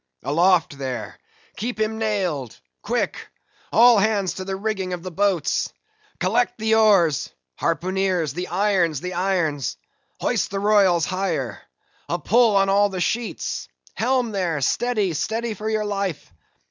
—Aloft there! Keep him nailed—Quick!—all hands to the rigging of the boats—collect the oars—harpooneers! the irons, the irons!—hoist the royals higher—a pull on all the sheets!—helm there! steady, steady for your life!